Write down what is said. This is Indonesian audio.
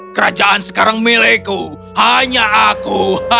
kerajaan sekarang milikku hanya aku